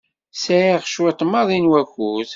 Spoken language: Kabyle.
Sɛiɣ cwiṭ maḍi n wakud.